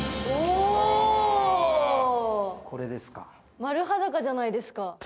丸裸じゃないですか。